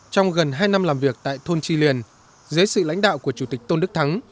trong gần hai năm làm việc tại thôn tri liền dưới sự lãnh đạo của chủ tịch tôn đức thắng